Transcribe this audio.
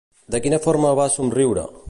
De quina forma va somriure?